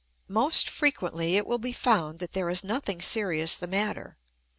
Most frequently it will be found that there is nothing serious the matter.